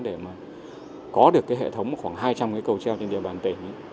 để có được hệ thống khoảng hai trăm linh cây cầu treo trên đề bàn tỉnh